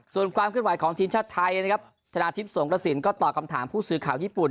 ส่วนความเคลื่อนไหวของทีมชาติไทยนะครับชนะทิพย์สงกระสินก็ตอบคำถามผู้สื่อข่าวญี่ปุ่น